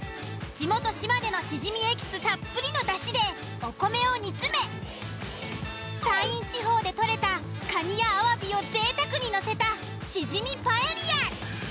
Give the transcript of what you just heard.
地元島根のシジミエキスたっぷりのだしでお米を煮詰め山陰地方で取れたカニやアワビを贅沢にのせたシジミパエリア。